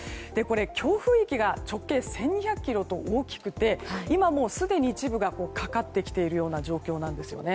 強風域が直径１２００ｋｍと大きくて今もすでに一部がかかってきている状況です。